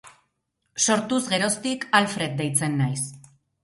Sortuz geroztik Alfred deitzen naiz.